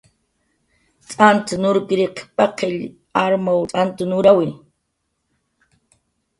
T'ant urkiriq paqill arumw t'ant nurawi